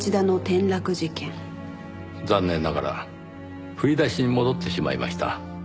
残念ながら振り出しに戻ってしまいました。